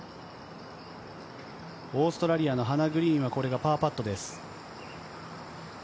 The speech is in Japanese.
オーストラリアのハナ・グリーンはこれがパーパットです。